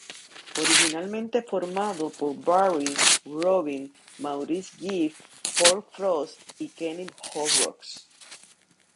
Originalmente formado por Barry, Robin, Maurice Gibb, Paul Frost y Kenny Horrocks.